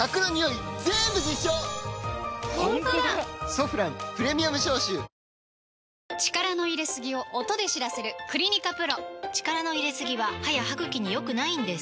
「ソフランプレミアム消臭」力の入れすぎを音で知らせる「クリニカＰＲＯ」力の入れすぎは歯や歯ぐきに良くないんです